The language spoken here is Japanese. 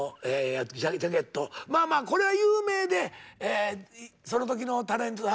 まあまあこれは有名でその時のタレントさん